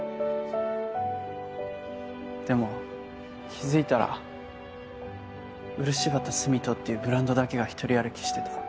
でも気づいたら漆畑澄人っていうブランドだけが独り歩きしてた。